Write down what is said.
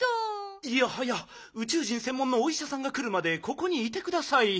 いやはやうちゅう人せんもんのおいしゃさんがくるまでここにいてください。